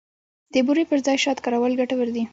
د بوري پر ځای شات کارول ګټور دي.